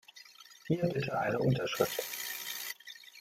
Hier bitte eine Unterschrift.